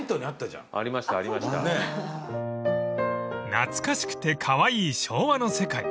［懐かしくてカワイイ昭和の世界］